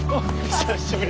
久しぶり！